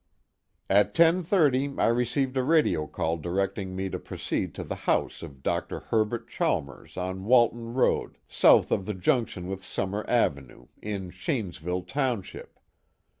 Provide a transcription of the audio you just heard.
"At 10:36 I received a radio call directing me to proceed to the house of Dr. Herbert Chalmers on Walton Road south of the junction with Summer Avenue, in Shanesville township.